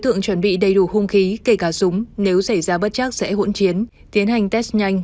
tượng chuẩn bị đầy đủ hung khí kể cả súng nếu xảy ra bất chắc sẽ hỗn chiến tiến hành test nhanh